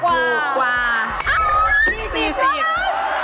อ้าวที่๔๐บาท